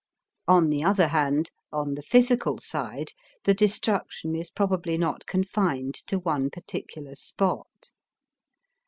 On the other hand, on the physical side, the destruction is probably not confined to one particular spot.